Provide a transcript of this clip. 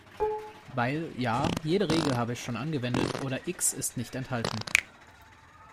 Weil, ja, jede Regel habe ich schon angewendet oder X ist nicht enthalten.